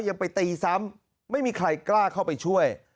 ยังไปตีซ้ำไม่มีใครกล้าเข้าไปช่วย